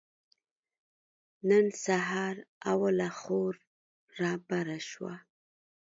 نن سهار اوله خور رابره شوه.